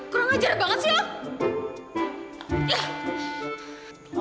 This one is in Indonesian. kau gak jarang banget sih lo